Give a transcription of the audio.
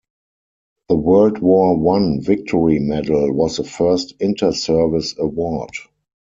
The World War One Victory Medal was the first inter-service award.